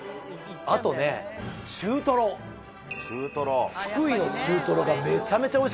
あとね中トロ福井の中トロがめちゃめちゃおいしかった。